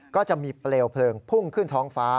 ก็จะมีเปลวเพลิงพุ่งขึ้นท้องฟ้า